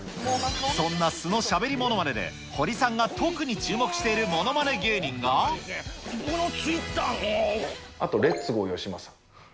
そんな素のしゃべりものまねで、ホリさんが特に注目しているあと、レッツゴーよしまささん。